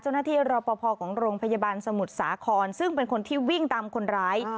รอปภของโรงพยาบาลสมุทรสาครซึ่งเป็นคนที่วิ่งตามคนร้าย